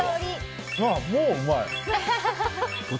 もう、うまい！